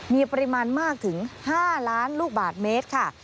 มีปริมาณมากถึง๕ล้านลูกบาทเมตรค่ะ